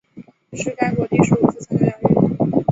这是该国第十五次参加亚运。